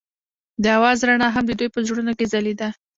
د اواز رڼا هم د دوی په زړونو کې ځلېده.